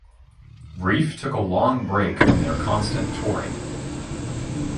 Reef took a long break from their constant touring.